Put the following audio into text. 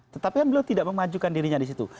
tetapi kan beliau tidak memajukan dirinya di situ